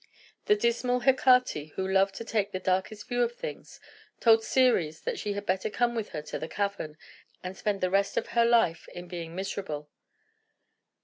The dismal Hecate, who loved to take the darkest view of things, told Ceres that she had better come with her to the cavern, and spend the rest of her life in being miserable.